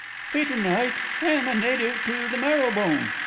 "Peter Knight; am a native to the marrow bone.